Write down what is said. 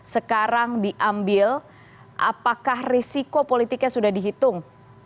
sekarang diambil apakah risiko politiknya sudah dihitung